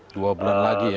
dua bulan lagi ya